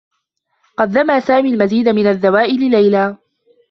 قدّم سامي المزيد من الدّواء لليلى.